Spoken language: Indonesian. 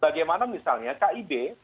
bagaimana misalnya kib patut diduga dengan golkar